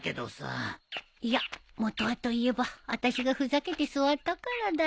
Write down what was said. いや本はといえばあたしがふざけて座ったからだよ。